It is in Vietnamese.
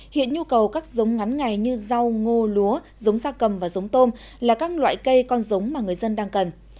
hiện nhu cầu các giống ngắn ngày như rau ngô lúa giống xa cầm và giống tôm là các loại cây con giống mà người dân đang cần